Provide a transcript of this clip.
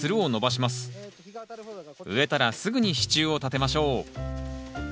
植えたらすぐに支柱を立てましょう。